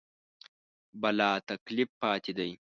بلاتکلیف پاتې دي.